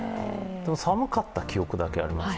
寒かった記憶だけあります。